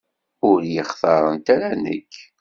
Ur yi-xtarent ara nekk.